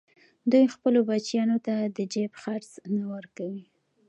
دوی خپلو بچیانو ته د جېب خرڅ نه ورکوي